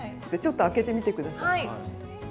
ちょっと開けてみて下さい。